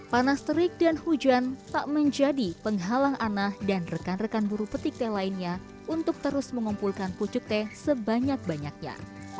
panas terik dan hujan tak menjadi penghalang ana dan rekan rekan buru petik teh lainnya untuk terus mengumpulkan pucuk teh sebanyak banyaknya